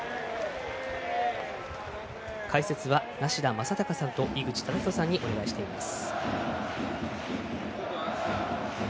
解説は梨田昌孝さんと井口資仁さんにお願いしています。